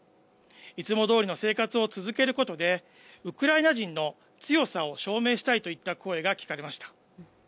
いつもどおりの生活を続けることで、ウクライナ人の強さを証明したいといった声が聞かれました。